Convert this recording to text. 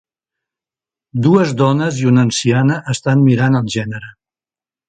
Dues dones i una anciana estan mirant el gènere.